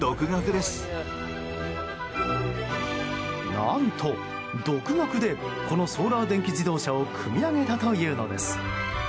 何と独学でこのソーラー電気自動車を組み上げたというのです。